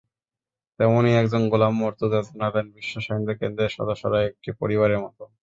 তেমনই একজন গোলাম মর্তুজা জানালেন, বিশ্বসাহিত্য কেন্দ্রের সদস্যরা একটি পরিবারের মতো।